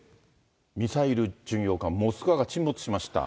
ミサイル巡洋艦モスクワが沈没しました。